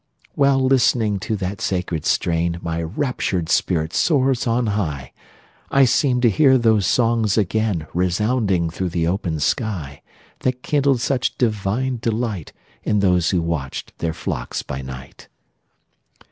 While listening to that sacred strain, My raptured spirit soars on high; I seem to hear those songs again Resounding through the open sky, That kindled such divine delight, In those who watched their flocks by night.